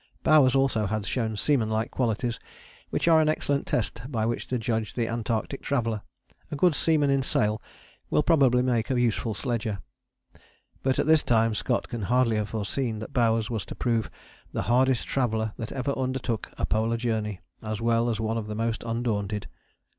Bowers also had shown seamanlike qualities which are an excellent test by which to judge the Antarctic traveller; a good seaman in sail will probably make a useful sledger: but at this time Scott can hardly have foreseen that Bowers was to prove "the hardest traveller that ever undertook a Polar journey, as well as one of the most undaunted."